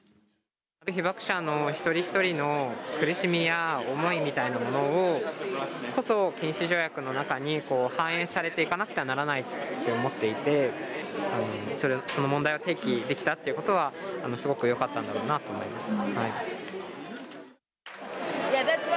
被爆者の一人一人の苦しみや思いみたいなものこそ、禁止条約の中に反映されていかなくてはならないと思っていて、その問題を提起できたってことは、すごくよかったんだろうなと思います。